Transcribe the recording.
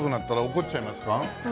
怒っちゃいます。